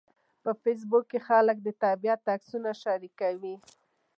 په فېسبوک کې خلک د طبیعت عکسونه شریکوي